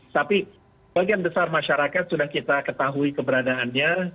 tapi bagian besar masyarakat sudah kita ketahui keberadaannya